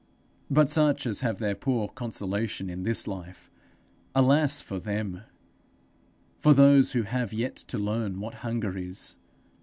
But such as have their poor consolation in this life alas for them! for those who have yet to learn what hunger is!